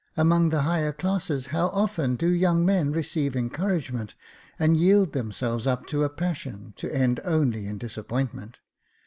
Among the higher classes, how often do young men receive encouragment, and yield them selves up to a passion to end only in disappointment